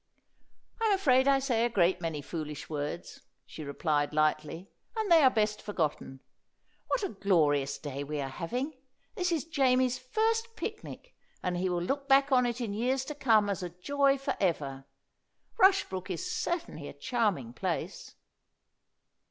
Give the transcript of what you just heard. "I'm afraid I say a great many foolish words," she replied lightly. "And they are best forgotten. What a glorious day we are having! This is Jamie's first picnic, and he will look back on it in years to come as a joy for ever. Rushbrook is certainly a charming place."